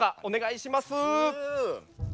お願いします。